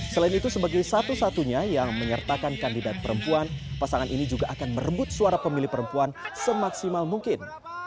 selain itu sebagai satu satunya yang menyertakan kandidat perempuan pasangan ini juga akan merebut suara pemilih perempuan semaksimal mungkin